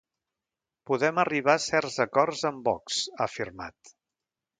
Podem arribar a certs acords amb Vox, ha afirmat.